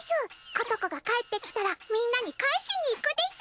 ことこが帰ってきたらみんなに返しに行くです。